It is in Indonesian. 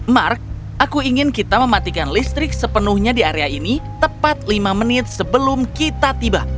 mark aku ingin kita mematikan listrik sepenuhnya di area ini tepat lima menit sebelum kita tiba